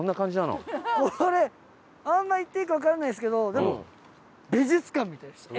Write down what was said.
これあんまり言っていいかわからないですけど美術館みたいでした。